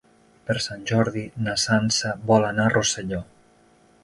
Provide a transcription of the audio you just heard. Per Sant Jordi na Sança vol anar a Rosselló.